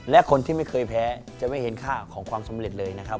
และคนที่ไม่เคยแพ้จะไม่เห็นค่าของความสำเร็จเลยนะครับ